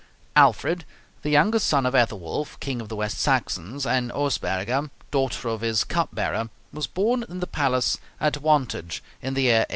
Alfred, the younger son of Ethelwulf, king of the West Saxons, and Osberga, daughter of his cup bearer, was born in the palace at Wantage in the year 849.